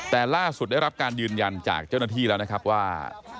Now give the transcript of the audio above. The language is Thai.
แต่ล่าสุดได้รับการยืนยันจากเจ้าหน้าที่แล้วนะครับว่า